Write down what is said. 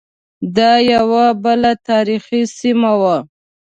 دا یوه بله تاریخی سیمه وه.